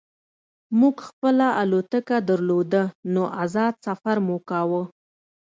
موږ خپله الوتکه درلوده نو ازاد سفر مو کاوه